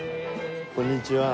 こんにちは。